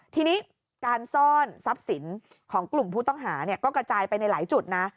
ทีนี้การซ่อนทรัพย์สินของกลุ่มผู้ต้องหาก็กระจายไปในหลายจุดนะ